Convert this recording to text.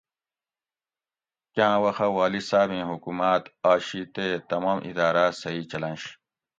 کاٞں وخہ والی صاٞبیں حُکوماٞت آشی تے تمام اِداٞراٞ صحیح چلنش